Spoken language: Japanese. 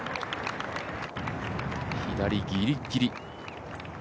左ギリギリ。